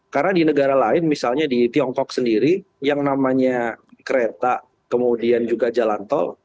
karena di negara lain misalnya di tiongkok sendiri yang namanya kereta kemudian juga jalan tol